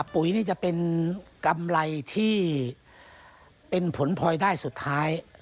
ปุ๋ยนี่จะเป็นกำไรที่เป็นผลพลอยได้สุดท้าย